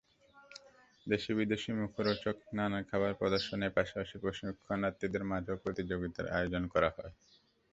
দেশি-বিদেশি মুখরোচক নানা খাবার প্রদর্শনের পাশাপাশি প্রশিক্ষণার্থীদের মাঝে প্রতিযোগিতারও আয়োজন করা হয়।